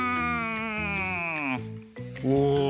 お！